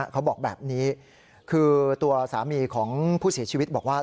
เขาบอกแบบนี้คือตัวสามีของผู้เสียชีวิตบอกว่า